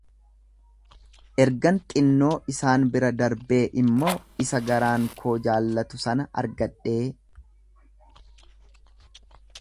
ergan xinnoo isaan bira darbee immoo, isa garaan koo jaallatu sana argadhee,